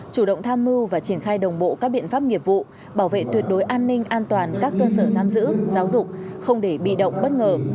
chủ động tham mưu và triển khai đồng bộ các biện pháp nghiệp vụ bảo vệ tuyệt đối an ninh an toàn các cơ sở giam giữ giáo dục không để bị động bất ngờ